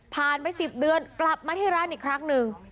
ผ่านไปสิบเดือนกลับมาที่ร้านอีกครั้งนึง